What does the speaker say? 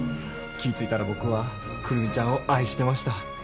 気ぃ付いたら僕は久留美ちゃんを愛してました。